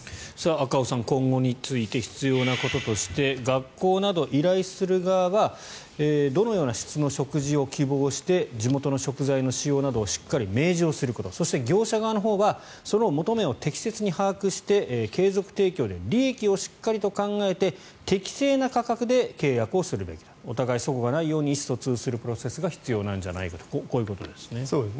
赤尾さん、今後について必要なこととして学校など依頼する側はどのような質の食事を希望して地元の食材の使用などをしっかり明示することそして業者側のほうはその求めを適正に把握して継続提供で利益をしっかりと考えて適正な価格で契約をするべきだお互い齟齬がないように意思疎通するプロセスが必要なんじゃないかとこういうことですね。